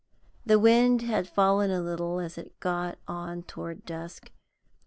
The wind had fallen a little as it got on toward dusk.